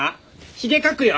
ヒゲ描くよ！